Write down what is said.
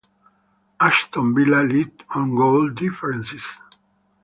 Aston Villa lead on goal difference.